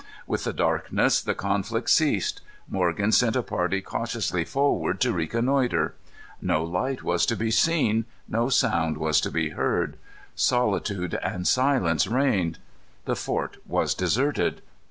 With the darkness the conflict ceased. Morgan sent a party cautiously forward to reconnoitre. No light was to be seen. No sound was to be heard. Solitude and silence reigned. The fort was deserted.